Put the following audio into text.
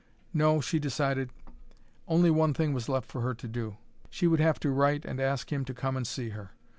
No, she decided, only one thing was left for her to do: she would have to write and ask him to come and see her.